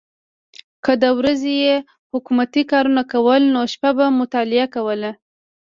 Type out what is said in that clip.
که د ورځې یې حکومتي کارونه کول نو شپه به مطالعه کوله.